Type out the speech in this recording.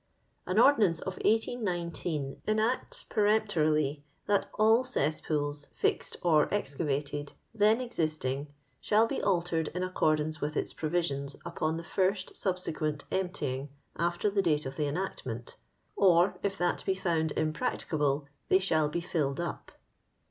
An ordonnance of 1819 enacts peremptorily that all cesspools, fixed or excavated, then existing, shall be altered in accordance with its provisions upon the first subsequent emptying after the date of the enactment, *^ or if that be found impracticable, they shall be filled up."